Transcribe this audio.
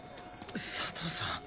佐藤さん